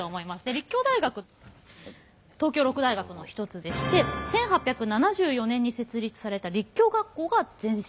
立教大学東京六大学の一つでして１８７４年に設立された立教学校が前身でして。